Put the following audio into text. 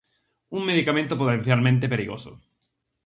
Un medicamento potencialmente perigoso.